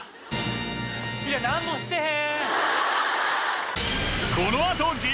いや何もしてへん！